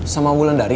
sama mulan dari